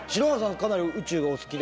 かなり宇宙がお好きで？